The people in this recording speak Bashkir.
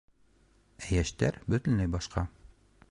Ә йәштәр бөтөнләй башҡа.